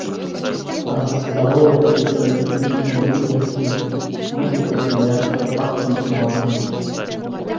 А з старое, капіталістычнае бытнасці мы і пасмяяцца, пакпіць можам.